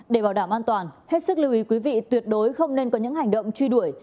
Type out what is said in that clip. để bảo đảm an toàn hết sức lưu ý quý vị tuyệt đối không nên có những hành động truy đuổi